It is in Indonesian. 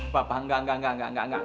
papa enggak enggak enggak enggak enggak